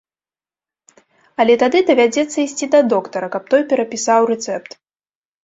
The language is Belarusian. Але тады давядзецца ісці да доктара, каб той перапісаў рэцэпт.